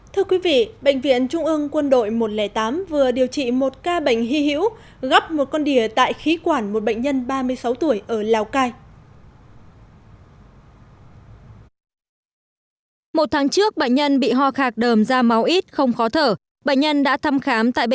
thưa quý vị bệnh viện trung ương quân đội một trăm linh tám